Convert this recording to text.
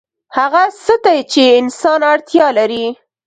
هغه څه ته چې انسان اړتیا لري